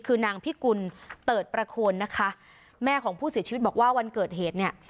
คือนางพิกุลเติดประโคนนะคะแม่ของผู้เสียชีวิตบอกว่าวันเกิดเหตุเนี่ย